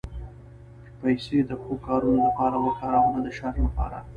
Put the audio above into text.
پېسې د ښو کارونو لپاره وکاروه، نه د شر لپاره.